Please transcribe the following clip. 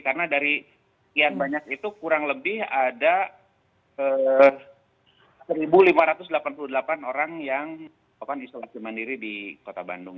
karena dari kian banyak itu kurang lebih ada seribu lima ratus delapan puluh delapan orang yang isolasi mandiri di kota bandung